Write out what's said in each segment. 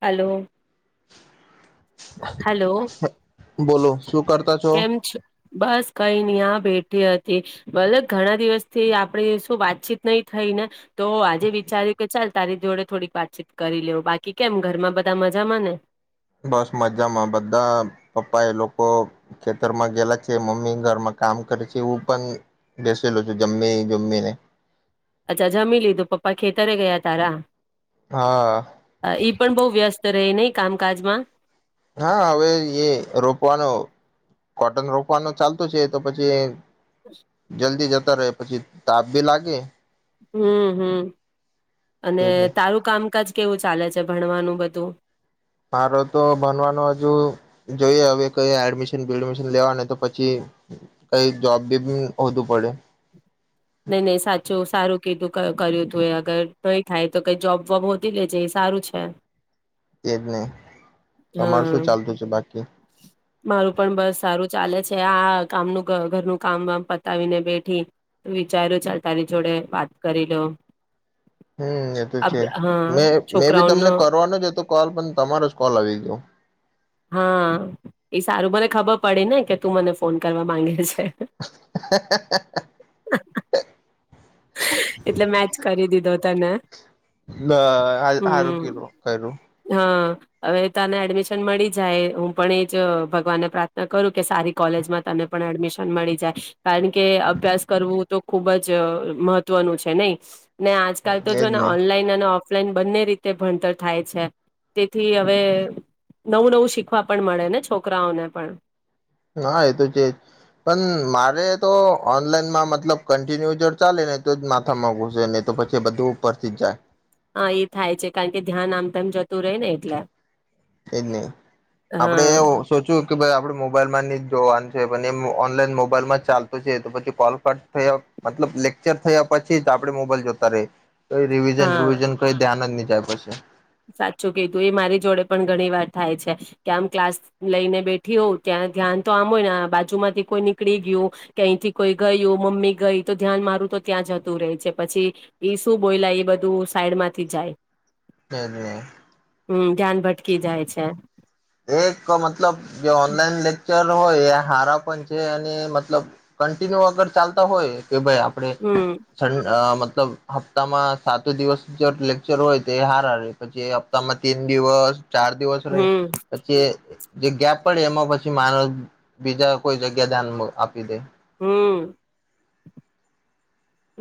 Hello. Hello બોલો શું કરતા છો? કેમ બસ કઈ નઈ આ બેઠી હતી ભલે ઘણા દિવસથી આપડે શું વાતચીત નહી થઈ ને તો આજે વિચાર્યું કે ચાલ તારી જોડે થોડીક વાતચીત કરી લેવ બાકી કેમ ઘરમાં બધા મજામાં ને? બસ મજામાં બધ્ધા પપ્પા એ લોકો ખેતરમાં ગેલા છે મમ્મી ઘરમાં કામ કરે છે હું પન બેસેલો છું જમ્મી જમ્મીને. અચ્છા જમી લીધું પપ્પા ખેતરે ગયા તારા? હા હા, ઈ પણ બહુ વ્યસ્ત રેય નહી કામકાજમાં. હા, હવે એ રોપવાનો કોટન રોપવાનું ચાલતું છે તો પછી એ જલ્દી જત તા રે પછી તાપ બી લાગે. હમ્મ હમ્મ અને એટલે તારું કામકાજ કેવું ચાલે છે, ભણવાનું બધું? મારો તો ભનવાનું હજુ જોઈએ હવે કઈ એડમિશન બેડમિશન લેવા ને તો પછી કઈ જોબ બી ઉમ હોધવુ પડે. નહી નહી સાચું સારું કીધું ક કર્યુતુ એ અગર કઈ થાય તો કઈ જોબ વોબ હોધી લેજે એ સારું છે. એજ ને, તમાર હા શું ચાલતું છે બાકી? મારું પણ બસ સારું ચાલે છે, આ કામનું ઘ ઘરનું કામા વામ પતાવીને બેઠી, વિચાર્યું ચાલ તારી જોડે વાત કરી લઉં. હમ્મ, એ તો છ, મે મેબી તમને છોકરાઓનો કરવાનો જ હતો કોલ પણ તમારો જ કોલ આવી ગ્યો. હાં, એ સારું, મને ખબર પડે ને કે તું મને ફોન કરવા માંગે છે. [unintelligible] એટલે મેજ કરી દીધો. તને બ હા હારું હમ કીધુ કઈરું. હા હવે તને એડમિશન મળીજ્ જાય, હું પણ એજ જ ભગવાનને પ્રાર્થના કરું કે સારી કોલેજમાં તને પણ એડમિશન મળી જાય, કારણ કે અભ્યાસ કરવું તો ખુબ જ મહત્વનું છે, નહી? ને આજકાલ તો જો ને ઓનલાઈન અને ઓફ ફલાઈન બંને રીતે ભણતર થાય છે, તેથી અવે નવું નવું શીખવા પણ મળે ને છોકરાઓને પણ. હા એ તો જે, પણ મારે તો ઓનલાઈનમાં મતલબ કન્ટિન્યુ જો ચાલે ને તો જ માથામાં ઘુસે, નઈ તો પછી બધું ઉપરથી જ જાય. હા એ થાય છે કાળ કે ધ્યાન આમ તેમ જતું રેય ને એટલે. એજ ને. આપડે હા એઉ સોચું કે ભાઈ આપડે મોબાઈલ માં ની જ જોવાનું છે, પણ એ ઓનલાઈન મોબાઈલમાં ચાલતું છે તો પછી કોલ કટ થયો. મતલબ લેક્ચર થયા પછી જ આપડે મોબાઈલ જોતા રેહિં. કઈ રિવિઝન હા રુવિઝન કઈ ધ્યાન જ ની જા પશે. સાચું કીધું, ઈ મારી જોડે પણ ઘણી વાર થાય છ કે આમ ક્લાસ લઈને બેઠી હોઉં, ત્યાં ધ્યાન તો આમ હોય ને આ બાજુમાંથી કોઈ નીકળી ગયું કે અહીંથી કોઈ ગયું, મમ્મી ગઈ, તો ધ્યાન મારું તો ત્યાં જતું રહેે છે પછી ઈ શું બોલાય એ બધું સાઈડમાંથી જાય. [unintelligible] ને કી જાય છે. એક ક મતલબ જે ઓનલાઈન લેક્ચર [unintelligible] હોય, એ હારા પણ છે અને એ મતલબ કન્ટિન્યુ અગર ચાલ તા હોય કે ભાઈ આપણે હમ [unintelligible] મતલબ હપ્તામાં સાતુ દિવસ લેક્ચર હોય તો એ હારા રે, પછી એ હપ્તામાં તીન દિવસ ચાર દિવસ રેય હમ પછી એ જે ગેપ પડે એમાં પછી માણસ બીજા કોઈ જગ્યા ધ્યાન આપી દે. હમ્મ,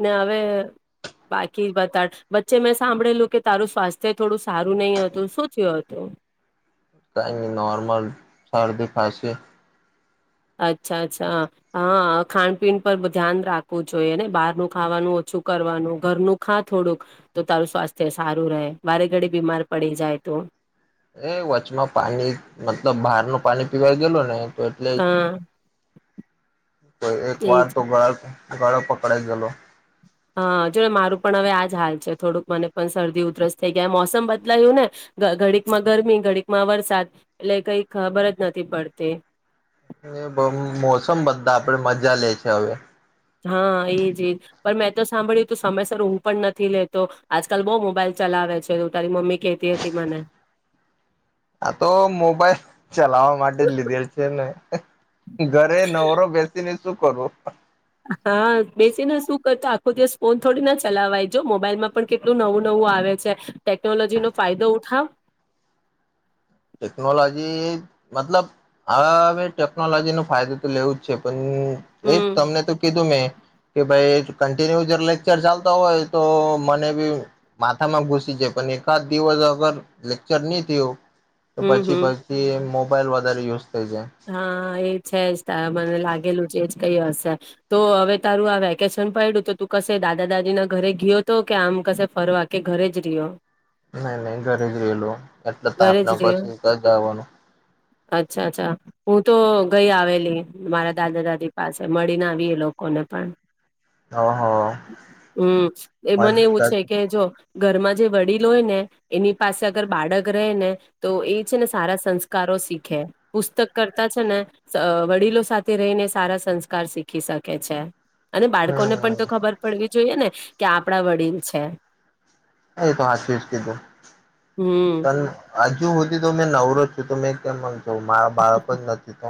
ને અવે બાકી બતાળ, વચ્ચે મેં સાંભળેલું કે તારું સ્વાસ્થ્ય થોડું સારું નહી હતું, શું થ્યું હતું? કઈ ની નોર્મલ શરદી, ખાંસી. અચ્છા, અચ્છા હા, ખાનપીણ પર બ ધ્યાન રાખવું જોઈએને, બહારનું ખાવાનું ઓછું કરવાનું, ઘરનું ખાં થોડુંક તો તારું સ્વાસ્થ્ય સારું રહે, વારે ઘડી બીમાર પડી જાય તું. એ વચમાં પાણી, મતલબ બહાર નું પાણી પીવાય ગયલું ને તો એટલે, હા તો એક વાર એજ તો ગાલ ગળો પકડાઈ ગેલો. હાં, જોએ મારું પણ હવે આજ હાલ છે, થોડુંક મને પણ શરદી, ઉધરસ થઈ ગયા મોસમ બદલાયું ને, ઘડીકમાં ગરમી, ઘડીકમાં વરસા,. એટલે કંઈ ખબર જ નથી પડતી. એ બહું, મોસમ બધ્ધા આપડે મજા લે છે હવે. હ, એજ એ પણ મેં તો સાંભળ્યું, તું સમયસર ઉંઘ પણ નથી લેતો, આજકાલ બો મોબાઈલ ચલાવે છે એવું તારી મમ્મી કહેતી હતી મને. આ તો મોબાઈલ ચલાવા માટે જ લીધેલ છે ને ઘરે નવરો બેસીને શું કરો. હા બેસીને શું કરતો આખો દિવસ ફોન થોડી ના ચલાવાઈજ મોબાઈલમાં પણ કેટલું નવું નવું આવે છે ટેકનોલોજીનો ફાયદો ઉઠાવ. ટેકનોલોજી મતલબ હવેવે ટેકનોલોજી નો ફાયદો તો લેવું જ છે પણ. હમ એ તમને તો કીધું મેં. કે ભાઈ કન્ટિન્યુ લેક્ચર ચાલતા હોય તો મને બી માથામાં ઘુસી જાય પણ એકાદ દિવસ અગર લેક્ચર નહી થયું. તો હમ પછી હમ પછી મો મોબાઈલ વધારે યુ હા એ છે જ તારે મને લાગેલું છે. કઈ હશે તો હવે તારું આ વેકેશન પડ્યું તો તું કશે દાદા દાદી ના ઘરે ગયો તો કે આમ કશે ફરવા કે ઘરે જ રહ્યો. નહી નહી ઘરે જ રહેલું એટલે ઘરે તાપના જ રહ્યો પછી જવાનું. અચ્છા અચ્છા હું તો ગઈ આવેલી મારા દાદા દાદી પાસે મળીને આવીએ લોકોને પણ ઓહો હમ એ મને એવું મજા. છે કે જો ઘરમાં જે વડીલ હોય ને એની પાસે અગર બાળક રહે ને તો એ છે ને સારા સંસ્કારો શીખે પુસ્તક કરતા છે ને વડીલો સાથે રહીને સારા સંસ્કાર શીખી શકે છે. અને બાળકો ને પણ તો હમ ખબર પડવી. જોઈએ ને કે આપડા વડીલ છે. એ તો હચવી જ કીધું હમ પણ હજુ. મેં નવરોત છું તો મેં કેમ. જો મારા બાળક જ નથી તો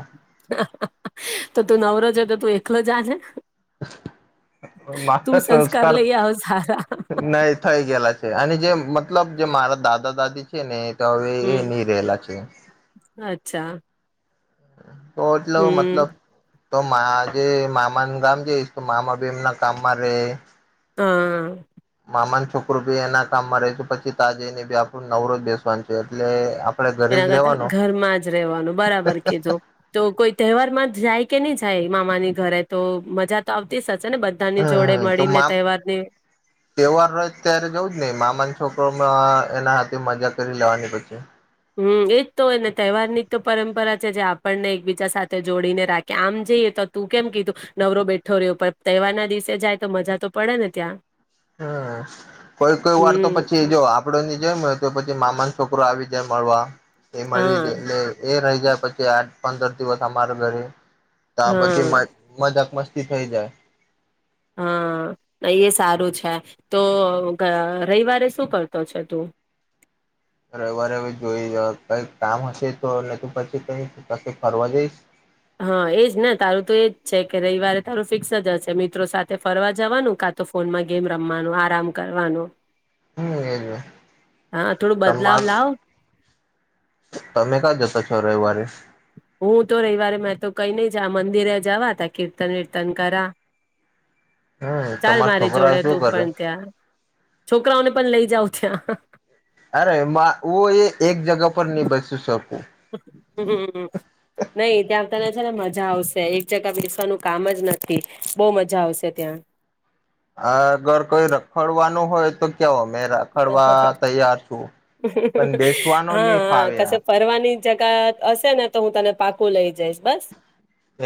તો તું નવરોજ તો તું એકલો જાશે. માત્ર સંસ્કાર લઈ આવ સારા થઈ ગયેલા છે અને જે મતલબ જે મારા દાદા દાદી છે ને તો હવે એ હમ નહી રહેલા છે. અચ્છા હમ. તો એટલો હમ મતલબ તો માજે મામાનું ગામ જઈશ તો મામા બી એમના કામમાં ર હા. છોકર ભી એના કામમાં ર છે પછી તાજેને બી આપણું નવરોજ બેસવાનું છે એટલે આપડે ઘરે એના જ રેવાનો કરતા ઘરમાં જ રહેવાનું બરાબર કીધું. તો તો કોઈ તહેવાર માં જાય કે નહી જાય મામાની ઘરે તો મજા તો આવતી. હશે ને બધાની જોડે હમ તો મળીને તહેવારની તહેવાર ત્યારે જવું જ નહી મામાન છોકરોમાં એના હથે મજા કરી લેવાની પછી. હમ એજ તો હોય ને તહેવારની તો પરંપરા છે જે આપણને એકબીજા સાથે જોડીને રાખે આમ જઈએ તો તું કેમ કીધું નવરો બેઠો રહ્યો પણ તહેવાર ના દિવસે જાય તો મજા તો પડે ને ત્યાં. હમ્મ કોઈ-કોઈ વાર તો હમ પછી જો આપડો ની જેમ હોય તો પ મામા છોકરો આવી જાય મળવા. એ મળી જ હા એટલે એ રહી જા પછી આઠ પંદર દિવસ અમારા ઘરે તા પછી મ હા મદાક મસ્ત થી થઈ જાય. હા, એ સારું છે તો અહ ગ રવિવારે શું કરતો છે તું? રવિવારે હવે જોઈ અહ કઈક કામ હશે તો નહીં તો પછી કઈક ફરવા જઈશ. હા એજ ને તારું તો એજ છે કે રવિવારે તારું ફિક્સ જ હશે. મિત્રો સાથે ફરવા જવાનું કા તો ફોનમાં ગેમ રમવાનું, આરામ કરવાનું. હમ એજ હા, થોડું બદલાવ તમાર લાવ. તમે કા જતા છો રવિવારે? હું તો રવિવારે તો કઈ નઈ જા મંદિરે જવા ત કીર્તન વિર્તન કરા. હમ ચાલ તમારા મારી છોકરા જોડે શું તું કરે પણ ત્યાં છોકરાઓને પણ લઈ જાવ જ્યાં. અરે માં હું એ એક જગા પર નહી બેસી શકું હમ્મ. નહી ત્યાં તને છેને મજા આવશે એક જગ બેસવાનું કામ જ નથી બહુ મજા આવશે ત્યાં. આ અગર કોઈ રખડવાનું હોય તો કેવ કઈ રખડવા તૈયાર છું પણ બેસવાનો હા નહીં હા ફાવે કશે યાર. ફરવાની જગા હશે ને, તો હું તને પાકું લઈ જઈશ બસ.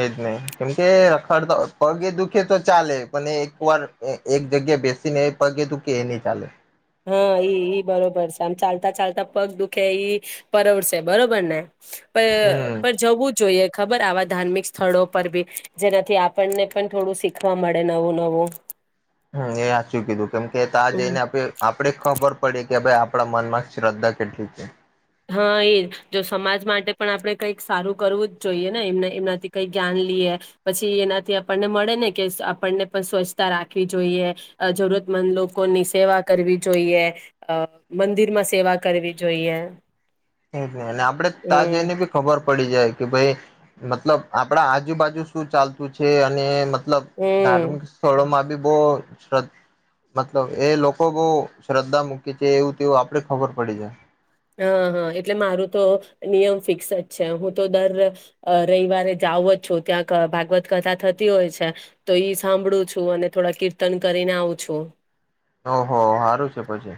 એજ ને કેમસે રખડતા પગે દુખે તો ચાલે પણ એક વાર એ એક જગ્યા બેસીને એ પગે દુખે એ નહી ચાલે. હા ઈ ઈ બરોબર છે. આમ ચાલતા-ચાલતા પગ દુખે ઈ પડવશે બરોબર ને? પય હમ પર જવું જોઈએ. ખબર આવા ધાર્મિક સ્થળો પર બી જેનાથી આપણને પણ થોડું શીખવા મળે નવું નવું. હમ્મ એ હાચું કીધું કેમ કે તા હમ જઈને આપણે આપડણે ખબર પડી કે ભાઈ આપણા મનમાં શ્રદ્ધા કેટલી છે. હા એ જો સમાજ માટે પણ આપણે કંઈક સારું કરવું જ જોઈએ ને એન એનાથી કઈક જ્ઞાન લીએ પછી એનાથી આપણને મળે ને કે આપણને પણ સ્વચ્છતા રાખવી જોઈએ અહ જરૂરતમંદ લોકોની સેવા કરવી જોઈએ અહ મંદિરમાં સેવા કરવી જોઈએ. એજ ને ને આપડે તાજ જઈ હમ ને બી ખબર પડી જાય કે ભાઈ મતલબ આપડા આજુબાજુ શું ચાલતું છે અને મ તલબ હમ ધારમિક સ્થળો માં બી બો શ્ર મતલબ એ લોકો બહુ શ્રદ્ધા મૂકી છે એવું તેવું આપડે ખબર પડી જાએ. હા હા એટલે મારું તો નિયમ ફિક્સ જ છે. હું તો દર અહ રવિવારે જાઉ જ છું ત્યાં ક ભાગવત કથા થતી હોય છે તો ઈ સાંભળું છું અને થોડા કીર્તન કરીને આવું છું. હો હો હારું છે પછી.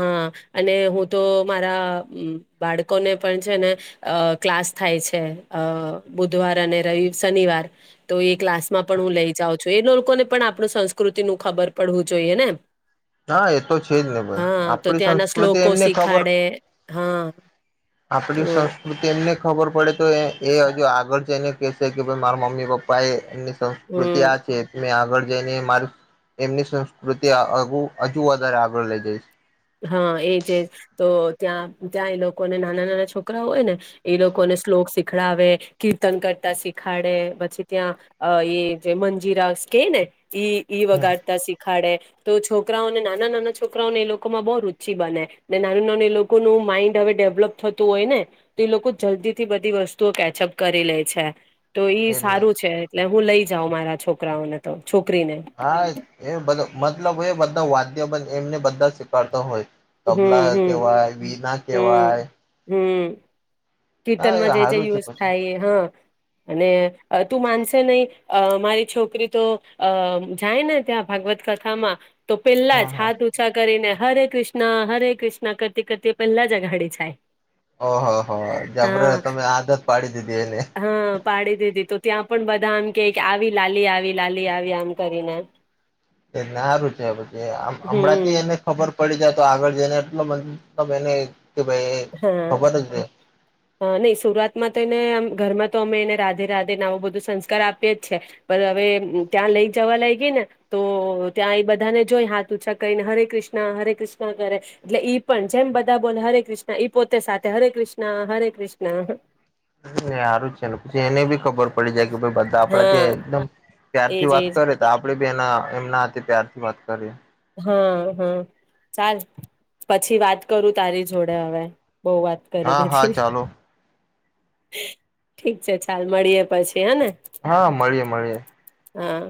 હા અને હું તો મારા અમ્મ બાળકોને પણ છે ને અહ ક્લાસ થાય છે અહ બુધવાર અને રવિ શનિવાર તો એ ક્લાસમાં પણ હું લઈ જાઉ છું. તો એ લોકો ને પણ આપણું સંસ્કૃતિ નું ખબર પડવું જોઈએ ને? હા એ તો છે જ ને ભાઈ આપણી સંસ્કૃતિ એમને ખ ખડે [unintelligible] હા. આપણી તો સંસ્કૃતિ એમને ખબર પડે તો એ એ હજુ આગળ જઈને કેહશે કે ભઈ મારા મમ્મી પપ્પા એ હમ સંસ્કૃતિ આ છેેત આગ [unintelligible] આગળ જઈને મારે એમની સંસ્કૃતિ હજુ હજુ વધારે આગળ લઈ જઈશ. હા એ જે તો ત્યાં ત્યાં એ લોકોને નાના નાના છોકરા હોય ને એ લોકોને શ્લોક શીખડાવે કીર્તન કરતા શીખાડે પછી ત્યાં અ એ જે મંજીરાસ કે ને ઇ હમ વગાડતા શીખાડે. તો છોકરાઓને નાના નાના છોકરાઓને એ લોકો લોકોમાં બહુ રુચિ બને ને નાનું નાનું એ લોકોનું માઈન્ડ હવે ડેવલપ થતું હોય ને તો એ લોકો જલ્દી થી બધી વસ્તુઓ કેચઅપ કરી લે છે. તો ઈ એટલે સારું છે એટલે હું લઈ જાઉ મારા છોકરાઓને તો છોકરીને હા એ બધુ મતલબ હોય એ બધા વા અમને એમને બધા જ શીખવાડતા હોય. હમ તબલા હમ કેહવાય વીના હમ કેહવાય. હમ કીર્તનમાં જે જે યુઝ પછી થાય એ હા. અને અ તું માનશે નહી અ મારી છોકરી તો અ જાય ને ત્યાં ભાગવત કથામાં તો પેહલા હા જ હા હાથ ઉંચા કરીને હરે કૃષ્ણ હરે કૃષ્ણ કરતી કરતી પહેલા જ આઘાડી જાય. ઓહો. હ જબરે હા તમે આદત પાડી દીધી એને. હા પાડી દીધી તો ત્યાં પણ બધા આમ કે આવી લાલી આવી લાલી આવી આમ કરીને એને હારું છે હવે પછી આમ હમણાંથી હમ એને ખબર પડી જાય તો આગળ જઈને એટલે મતલબ એને કે ભાઈ હા ખબર જ હા નહી શુરુઆતમાં તો એને આમ ઘરમાં તો અમે એને રાધે રાધે ના આવુ બધુ સંસ્કાર આપીએ જ છે પણ હવે અ ત્યાં લઈ જવા લાગી ગઈ ને તો ત્યાં એ બધાને જોઈ હાથ ઉંચા કહીને હરે કૃષ્ણ હરે કૃષ્ણ કરે એટલે ઈ પણ જેમ બધા બોલે હરે કૃષ્ણ. ઈ પોતે સાથે હરે કૃષ્ણ હરે કૃષ્ણ. ને સારું છે ને પછી એને બી ખબર પડી જાય કે ભાઈ બધા આપણા હા ત્યાં એકદમ ત્યારથી એજ એજ વાત કરે તો આપ આપણે બી એના એમના હાથે પ્યારથી વાત કરીએ. હા હા ચાલ પછી વાત કરું તારી જોડે હવે. બહુ વાત કરી હા હા દીધી. ચાલો ઠીક છે ચાલ મળીએ પછી. હેને હા મળીએ મળીએ. હા.